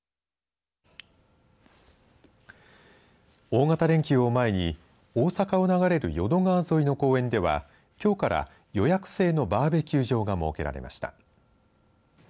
大型連休を前に大阪を流れる淀川沿いの公園ではきょうから予約制のバーベキュー場が設けられました。